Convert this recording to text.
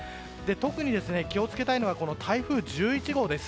特に、気を付けたいのが台風１１号です。